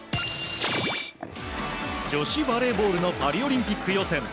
女子バレーボールのパリオリンピック予選。